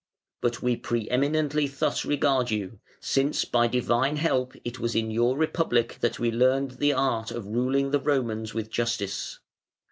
But we pre eminently thus regard you, since by Divine help it was in your Republic that we learned the art of ruling the Romans with justice.